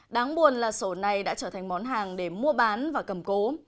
đáng buồn là sổ này đã trở thành món hàng để mua bán và cầm cố